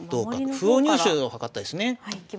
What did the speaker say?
歩を入手を図ったんですね。